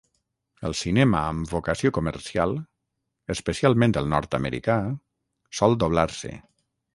El cinema amb vocació comercial, especialment el nord-americà, sol doblar-se.